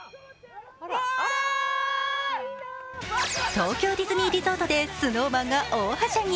東京ディズニーリゾートでＳｎｏｗＭａｎが大はしゃぎ。